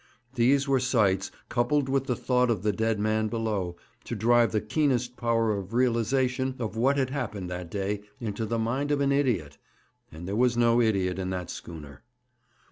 These were sights, coupled with the thought of the dead man below, to drive the keenest power of realization of what had happened that day into the mind of an idiot, and there was no idiot in that schooner.